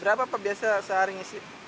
berapa pak biasa sehari ngisi